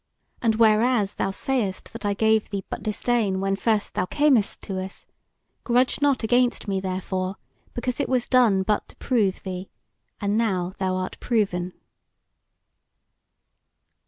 And whereas thou sayest that I gave thee but disdain when first thou camest to us, grudge not against me therefor, because it was done but to prove thee; and now thou art proven."